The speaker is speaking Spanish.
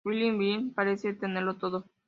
Bill Whitney parecía tenerlo todo.